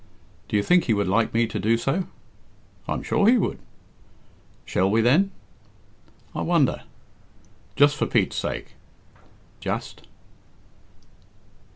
"Do you think he would like me to do so?" "I'm sure he would." "Shall we, then?" "I wonder!" "Just for Pete's sake?" "Just."